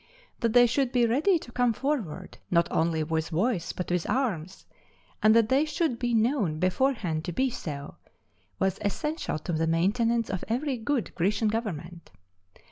That they should be ready to come forward, not only with voice but with arms and that they should be known beforehand to be so was essential to the maintenance of every good Grecian government.